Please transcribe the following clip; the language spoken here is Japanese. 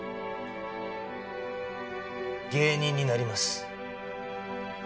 芸人になります。